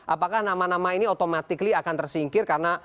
apakah nama nama ini otomatik akan tersingkir karena